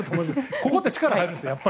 ここって力が入るんです。